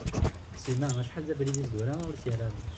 Sima acḥal d abrid i as-d-tura ur as-yerri ara.